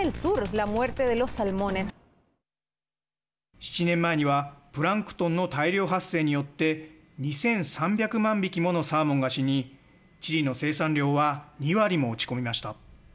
７年前にはプランクトンの大量発生によって２３００万匹ものサーモンが死にチリの生産量は２割も落ち込みました。